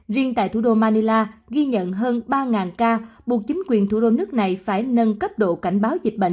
riêng tại thủ đô manila ghi nhận hơn ba ca buộc chính quyền thủ đô nước này phải nâng cấp độ cảnh báo dịch bệnh